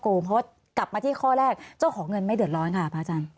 เพราะว่ากลับมาที่ข้อแรกเจ้าของเงินไม่เดือดร้อนค่ะพระอาจารย์